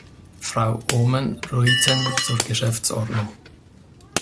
Frau Oomen-Ruijten zur Geschäftsordnung.